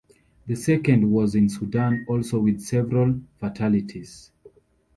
The second was in Sudan also with several fatalities.